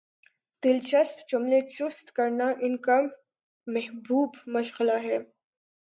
دلچسپ جملے چست کرنا ان کامحبوب مشغلہ ہے